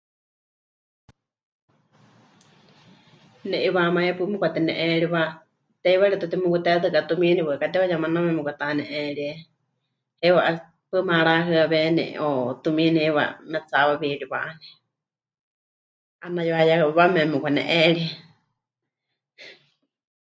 Ne'iwaáma 'ipaɨ kauka metene'eriwa, teiwaritɨ́a temukutetɨka tumiini waɨká te'uyemaname mekwatane'eríe, heiwa has... paɨ marahɨawéni o tumiini heiwa matsihawawiriwani, 'anayuhayewame mekwane'eríe.